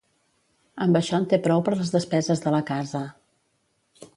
Amb això en té prou per les despeses de la casa.